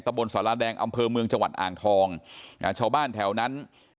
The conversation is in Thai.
บนสาราแดงอำเภอเมืองจังหวัดอ่างทองชาวบ้านแถวนั้น